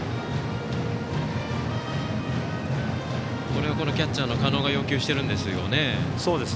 これもキャッチャーの加納が要求しているんですよね。